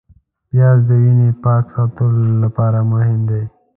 پیاز د وینې پاک ساتلو لپاره مهم دی